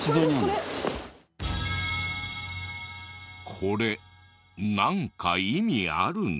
これなんか意味あるの？